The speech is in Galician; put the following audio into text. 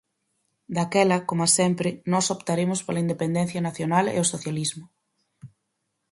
Daquela, coma sempre, nós optaremos pola independencia nacional e o socialismo.